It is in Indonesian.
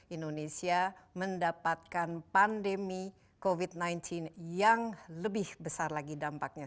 indonesia mendapatkan pandemi covid sembilan belas yang lebih besar lagi dampaknya